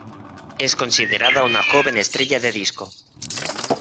Es considerada una joven estrella de disco.